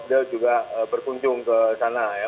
beliau juga berkunjung ke sana ya